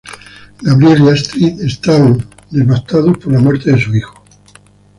Gabriel y Astrid están devastados por la muerte de su hijo.